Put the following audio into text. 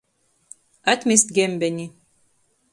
Atmest gembeni.